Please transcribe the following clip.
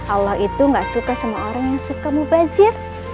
allah itu gak suka sama orang yang suka mubazir